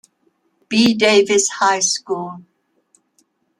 B. Davis High School.